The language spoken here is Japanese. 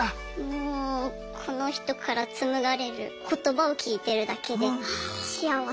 もうこの人から紡がれる言葉を聞いてるだけで幸せ。